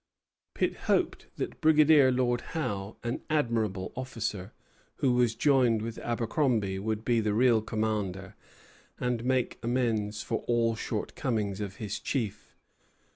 Pitt hoped that Brigadier Lord Howe, an admirable officer, who was joined with Abercromby, would be the real commander, and make amends for all shortcomings of his chief.